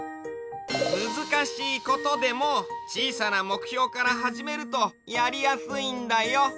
むずかしいことでもちいさなもくひょうからはじめるとやりやすいんだよ。